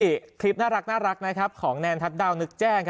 ที่คลิปน่ารักของแนนทัศดาวนึกแจ้ง